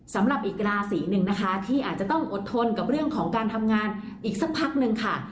สำหรับอีกราศีหนึ่งนะคะที่อาจจะต้องอดทนกับเรื่องของการทำงานอีกสักพักหนึ่งค่ะ